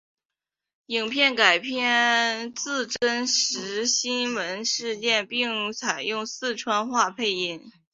影片改编自真实新闻事件并采用四川话配音。